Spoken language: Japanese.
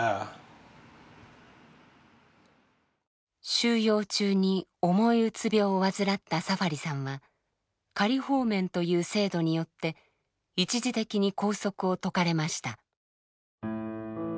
収容中に重いうつ病を患ったサファリさんは「仮放免」という制度によって一時的に拘束を解かれました。